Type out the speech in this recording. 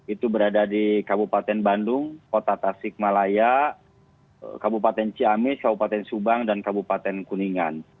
itu berada di kabupaten bandung kota tasikmalaya kabupaten ciamis kabupaten subang dan kabupaten kuningan